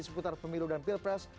seputar pemilu dan pilpres